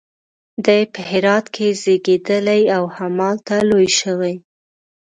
دی په هرات کې زیږېدلی او همالته لوی شوی.